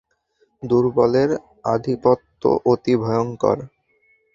দুর্বলের আধিপত্য অতি ভয়ংকর।